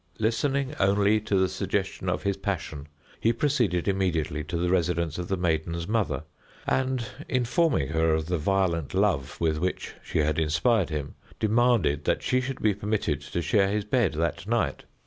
Listening only to the suggestion of his passion, he proceeded immediately to the residence of the maiden's mother, and, informing her of the violent love with which she had inspired him, demanded that she should be permitted to share his bed that night.